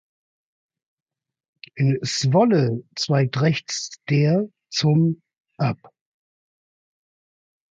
In Zwolle zweigt rechts der zum ab.